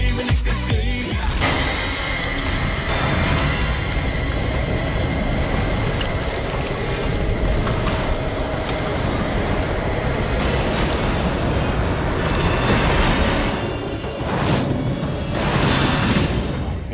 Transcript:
โอ้มันก็เกมมันก็เกมมันก็เกม